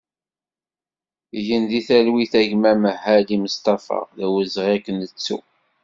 Gen di talwit a gma Mehadi Mestafa, d awezɣi ad k-nettu!